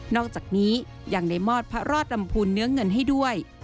อกจากนี้ยังได้มอบพระรอดลำพูนเนื้อเงินให้ด้วย